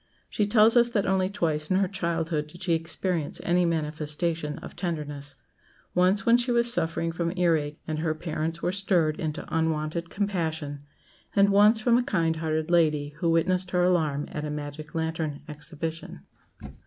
She tells us that only twice in her childhood did she experience any manifestation of tenderness once when she was suffering from ear ache, and her parents were stirred into unwonted compassion, and once from a kind hearted lady who witnessed her alarm at a magic lantern exhibition.